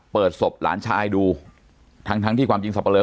เปิดศพหลานชายดูทั้งทั้งที่ความจริงสับปะเลอ